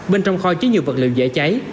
bên trong kho chứa nhiều vật liệu dễ cháy